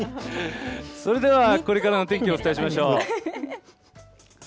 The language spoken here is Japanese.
それではこれからの天気をお伝えしましょう。